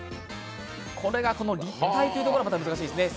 これが立体というところが難しいですね。